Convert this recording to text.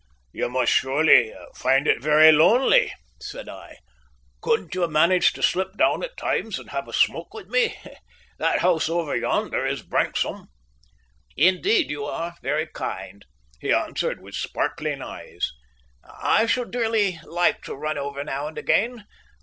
"You must surely find it very lonely," said I. "Couldn't you manage to slip down at times and have a smoke with me? That house over yonder is Branksome." "Indeed, you are very kind," he answered, with sparkling eyes. "I should dearly like to run over now and again.